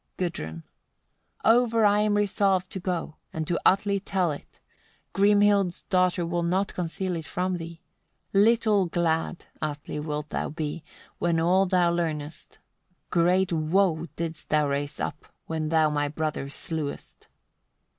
Gudrun. 77. Over I am resolved to go, and to Atli tell it. Grimhild's daughter will not conceal it from thee. Little glad, Atli! wilt thou be, when all thou learnest; great woe didst thou raise up, when thou my brother slewest.